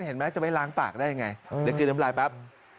เห็นไหมจะไม่ล้างปากได้ยังไงเดี๋ยวกินน้ำลายแป๊บ